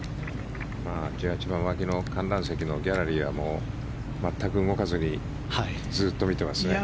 １８番脇の観覧席のギャラリーは全く動かずにずっと見てます。